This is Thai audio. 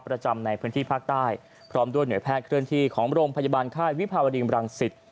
ประจำในพื้นที่ภาคใต้พร้อมด้วยหน่วยแพทย์เคลื่อนที่ของโรงพยาบาลค่ายวิภาวดีมรังสิต